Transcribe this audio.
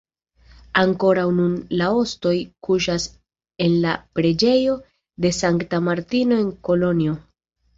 Ankoraŭ nun la ostoj kuŝas en la preĝejo de Sankta Martino en Kolonjo.